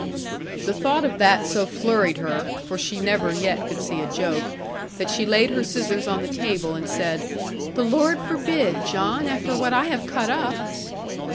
The thought of that so flurried her for she never yet could see a joke that she laid her scissors on the table and said, 'The Lord forbid, John! after what I have cut up!'